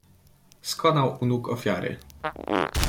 "Skonał u nóg ofiary."